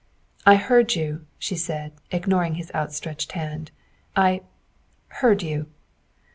" I heard you," she said, ignoring his outstretched hand, " I heard you!"